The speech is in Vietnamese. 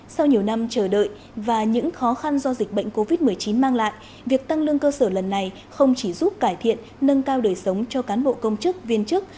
sau nhiều năm chờ đợi và những khó khăn do dịch bệnh covid một mươi chín mang lại việc tăng lương cơ sở lần này không chỉ giúp cải thiện nâng cao đời sống cho cán bộ công chức viên chức